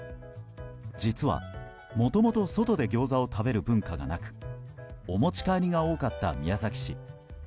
実は、もともと外でギョーザを食べる文化がなくお持ち帰りが多かった宮崎市。